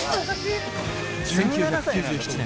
１９９７年